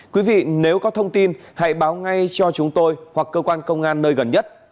quý vị nếu có thông tin hãy báo ngay cho chúng tôi hoặc cơ quan công an nơi gần nhất